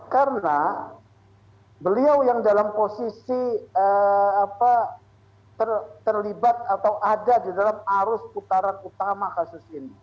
karena beliau yang dalam posisi terlibat atau ada di dalam arus putaran utama kasus ini